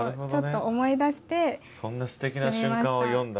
そんなすてきな瞬間を詠んだ。